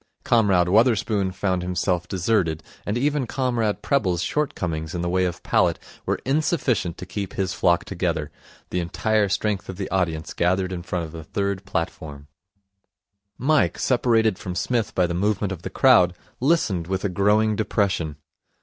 Comrade Wotherspoon found himself deserted, and even Comrade Prebble's shortcomings in the way of palate were insufficient to keep his flock together. The entire strength of the audience gathered in front of the third platform. Mike, separated from Psmith by the movement of the crowd, listened with a growing depression.